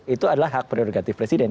itu adalah hak prerogatif presiden